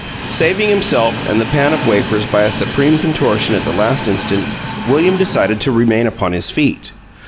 Saving himself and the pan of wafers by a supreme contortion at the last instant, William decided to remain upon his feet.